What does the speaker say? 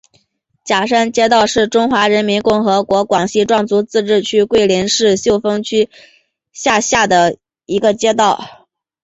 甲山街道是中华人民共和国广西壮族自治区桂林市秀峰区下辖的一个街道。